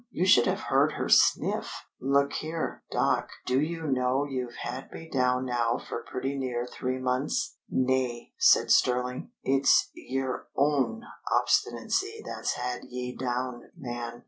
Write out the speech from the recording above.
You should have heard her sniff! ... Look here, Doc, do you know you've had me down now for pretty near three months?" "Nay," said Stirling. "It's yer own obstinacy that's had ye down, man.